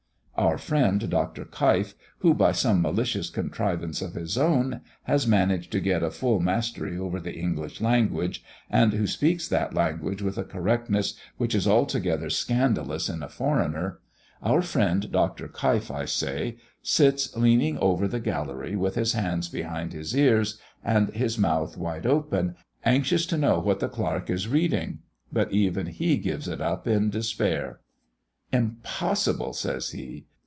Our friend, Dr. Keif, who, by some malicious contrivance of his own, has managed to get a full mastery over the English language, and who speaks that language with a correctness which is altogether scandalous in a 'foreigner' our friend Dr. Keif, I say, sits leaning over the gallery, with his hands behind his ears and his mouth wide open, anxious to know what the clerk is reading. But even he gives it up in despair. "Impossible!" says he.